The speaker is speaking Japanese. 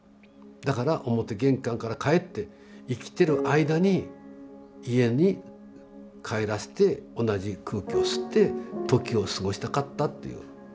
だから表玄関から帰って生きてる間に家に帰らせて同じ空気を吸って時を過ごしたかったっていう。